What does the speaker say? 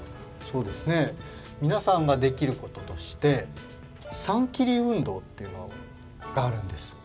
そうですねみなさんができることとして３キリ運動っていうのがあるんです。